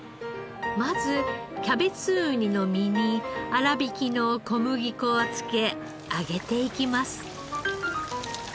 まずキャベツウニの身に粗挽きの小麦粉をつけ揚げていきます。